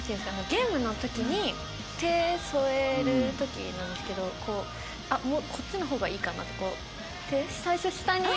ゲームの時に手添える時なんですけどこっちの方がいいかなってこう手最初下に。